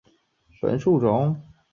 本树种以日本学者森丑之助命名。